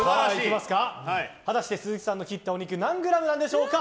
果たして鈴木さんの切ったお肉何グラムなんでしょうか。